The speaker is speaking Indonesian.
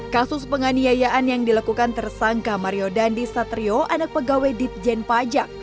kasus penganiayaan yang dilakukan tersangka mario dandi satrio anak pegawai ditjen pajak